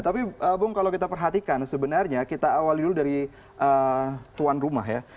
tapi bung kalau kita perhatikan sebenarnya kita awali dulu dari tuan rumah ya